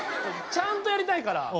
ちゃんとやりたいから。